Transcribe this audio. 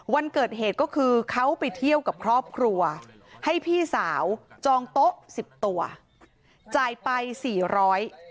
วันเกิดเหตุก็คือเขาไปเที่ยวกับครอบครัวให้พี่สาวจองโต๊ะสิบตัวจ่ายไปสี่ร้อย